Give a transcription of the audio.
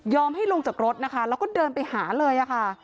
ให้ลงจากรถนะคะแล้วก็เดินไปหาเลยค่ะ